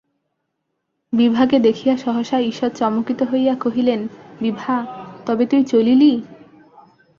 বিভাকে দেখিয়া সহসা ঈষৎ চমকিত হইয়া কহিলেন, বিভা, তবে তুই চলিলি?